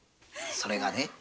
それがね